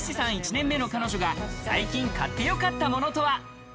１年目の彼女が最近買ってよかったものとは？